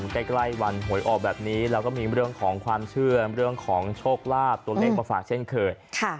ใกล้วันหวยออกแบบนี้แล้วก็มีเรื่องของความเชื่อเรื่องของโชคลาภตัวเลขมาฝากเช่นเคย